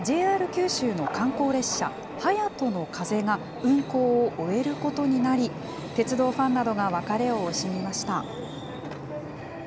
ＪＲ九州の観光列車、はやとの風が運行を終えることになり、鉄道ファンなどが別れを惜しみました。